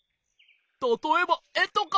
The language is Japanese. たとえばえとか！